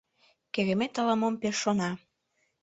Керемет ала-мом пеш шона.